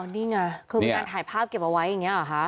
นี่ไงคือมีการถ่ายภาพเก็บเอาไว้อย่างนี้หรอคะ